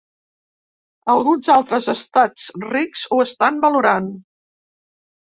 Alguns altres estats rics ho estan valorant.